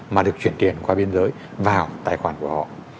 mà được chuyển tiền qua biên giới vào tài khoản của họ